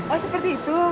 oh seperti itu